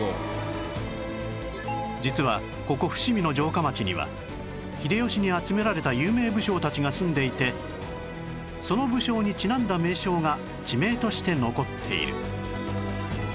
実はここ伏見の城下町には秀吉に集められた有名武将たちが住んでいてその武将にちなんだ名称が地名として残っている